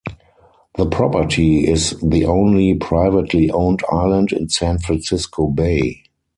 The property is the only privately owned island in San Francisco Bay.